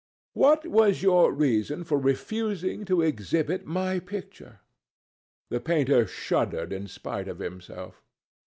What was your reason for refusing to exhibit my picture?" The painter shuddered in spite of himself.